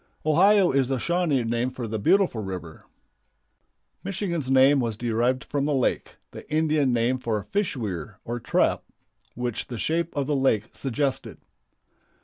Ohio is the Shawnee name for "the beautiful river." Michigan's name was derived from the lake, the Indian name for fish weir or trap, which the shape of the lake suggested.